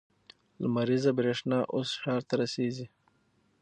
لمریزه برېښنا اوس ښار ته رسیږي.